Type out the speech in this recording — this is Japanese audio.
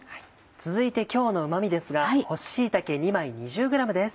続いて今日のうま味ですが干し椎茸２枚２０ｇです。